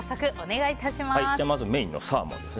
まずメインのサーモン。